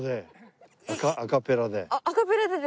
アカペラで。